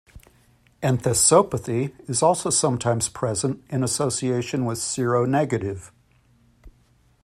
Enthesopathy is also sometimes present in association with seronegative.